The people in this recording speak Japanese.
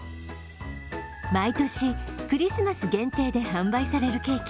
毎年、クリスマス限定で販売されるケーキ